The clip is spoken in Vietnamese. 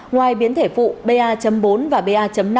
ngoài biến thể phụ ba bốn và ba năm